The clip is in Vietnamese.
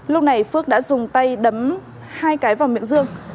lúc này phước đã dùng tay đấm hai cái vào miệng dương